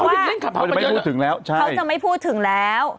ฉันก็ว่าเขาจะไม่พูดถึงแล้ว